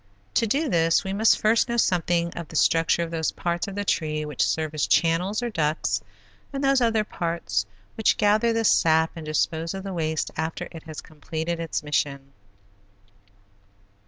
To do this we must first know something of the structure of those parts of the tree which serve as channels, or ducts, and those other parts which gather the sap and dispose of the waste after it has completed its mission.